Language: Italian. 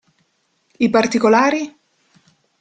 I particolari?